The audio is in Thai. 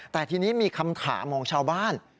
แต่ทีนี้มีคำถามของชาวบ้าน